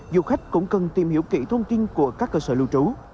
du khách cũng cần tìm hiểu kỹ thông tin của các cơ sở lưu trú